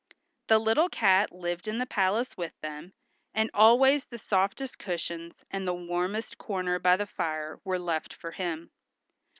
The little cat lived in the palace with them, and always the softest cushion, and the warmest corner by the fire were left for him.